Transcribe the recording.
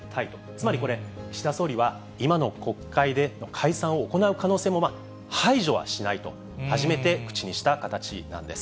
つまりこれ、岸田総理は今の国会での解散を行う可能性も排除はしないと、初めて口にした形なんです。